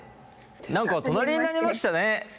何か隣になりましたね。